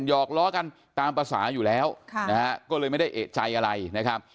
หอกล้อกันตามภาษาอยู่แล้วนะฮะก็เลยไม่ได้เอกใจอะไรนะครับ